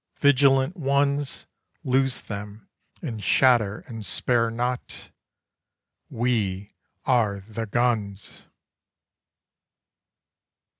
Vigilant ones, Loose them, and shatter, and spare not. We are the guns!